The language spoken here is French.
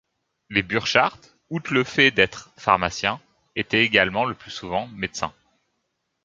Les Burchart, outre le fait d'être pharmaciens, étaient également le plus souvent médecins.